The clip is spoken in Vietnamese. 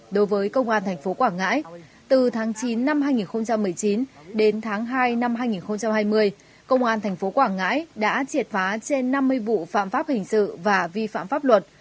từ tháng chín năm hai nghìn một mươi chín đến tháng hai năm hai nghìn hai mươi công an thành phố quảng ngãi đã triệt phá trên năm mươi vụ phạm pháp hình sự và vi phạm pháp luật